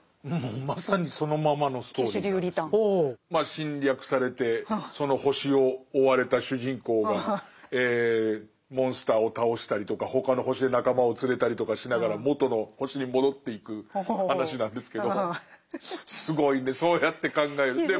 侵略されてその星を追われた主人公がモンスターを倒したりとか他の星で仲間を連れたりとかしながら元の星に戻っていく話なんですけどすごいねそうやって考えると。